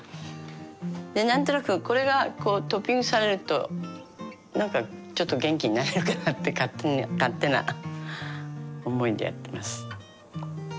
何となくこれがこうトッピングされるとなんかちょっと元気になれるかなって勝手な思いでやってます。